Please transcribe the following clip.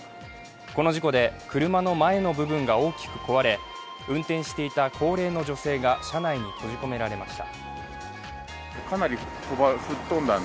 この事故で車の前の部分が大きく壊れ運転していた高齢の女性が車内に閉じ込められました。